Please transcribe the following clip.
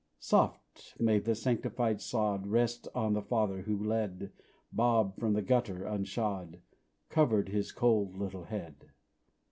Soft may the sanctified sod Rest on the father who led Bob from the gutter, unshod Covered his cold little head!